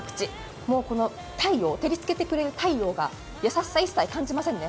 もうこの照りつけてくれる太陽が優しさ一切感じませんね。